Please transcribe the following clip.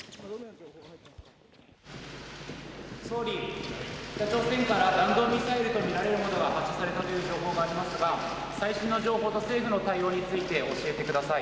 総理、北朝鮮から弾道ミサイルとみられるものが発射されたという情報がありますが最新の情報と政府の対応について教えてください。